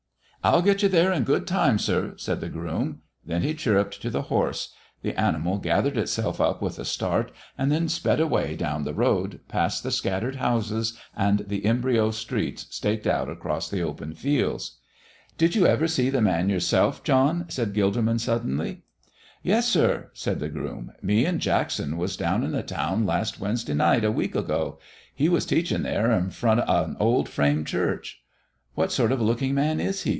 "I'll get you there in good time, sir," said the groom. Then he chirruped to the horse. The animal gathered itself up with a start and then sped away down the road past the scattered houses and the embryo streets staked out across the open fields. "Did you ever see the Man yourself, John?" said Gilderman, suddenly. "Yes, sir," said the groom. "Me and Jackson was down in the town last Wednesday night a week ago. He was teaching there in front of an old frame church." "What sort of looking man is He?"